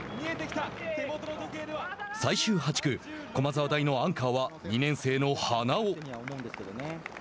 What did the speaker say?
最終８区駒沢大のアンカーは２年生の花尾。